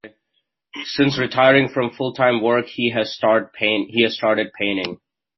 Since retiring from full-time work, he has started painting.